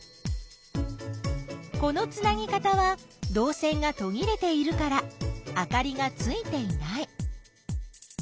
このつなぎ方はどう線がとぎれているからあかりがついていない。